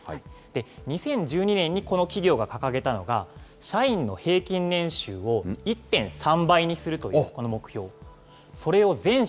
２０１２年にこの企業が掲げたのが、社員の平均年収を１．３倍にするという、この目標。